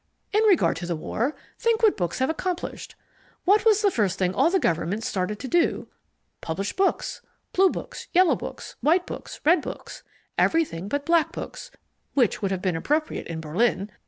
"In regard to the War, think what books have accomplished. What was the first thing all the governments started to do publish books! Blue Books, Yellow Books, White Books, Red Books everything but Black Books, which would have been appropriate in Berlin.